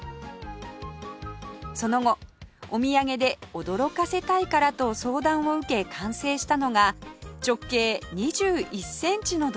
その後お土産で驚かせたいからと相談を受け完成したのが直径２１センチのどら焼き